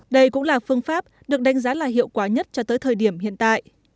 đây cũng là phương pháp được đánh giá là hiệu quả nhất cho tới thời điểm hiện tại